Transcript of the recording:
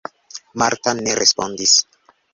Marta ne respondis.